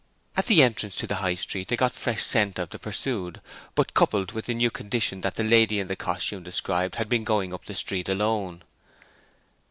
At the entrance to the High Street they got fresh scent of the pursued, but coupled with the new condition that the lady in the costume described had been going up the street alone.